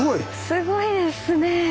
すごいですね！